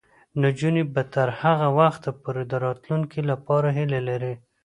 نجونې به تر هغه وخته پورې د راتلونکي لپاره هیله لري.